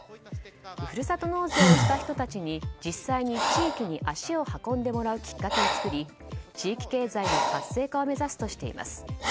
ふるさと納税をした人たちに実際に地域に足を運んでもらうきっかけを作り地域経済の活性化を目指すとしています。